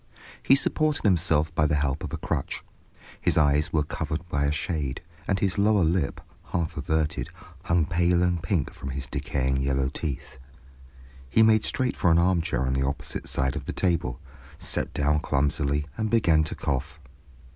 He supported himself by the help of a crutch, his eyes were covered by a shade, and his lower lip, half averted, hung pale and pink from his decaying yellow teeth. He made straight for an armchair on the opposite side of the table, sat down clumsily, and began to cough.